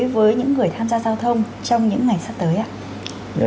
với những người tham gia giao thông trong những ngày sắp tới ạ